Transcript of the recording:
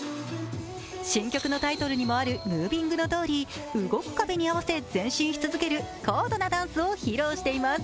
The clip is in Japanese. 新曲のタイトルにもあるムービングのとおり、動く壁に合わせ前進し続ける高度なダンスを披露しています。